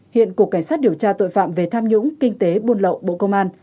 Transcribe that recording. hiện cục cảnh sát điều tra tội phạm về tham nhũng kinh tế buôn lậu bộ công an